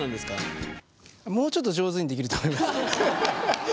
もうちょっと上手にできると思います。